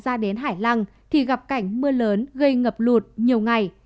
khi đoàn ra đến hải lăng thì gặp cảnh mưa lớn gây ngập lụt nhiều ngày